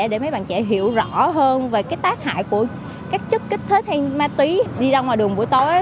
để mấy bạn trẻ hiểu rõ hơn về cái tác hại của các chất kích thích hay ma túy đi ra ngoài đường buổi tối